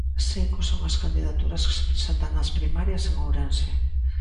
Cinco son as candidaturas que se presentan ás primarias en Ourense.